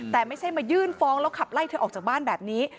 แต่ไม่ใช่มายื่นฟ้องแล้วขับไล่เธอออกจากบ้านแบบนี้